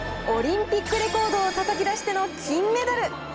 オリンピックレコードをたたき出しての金メダル。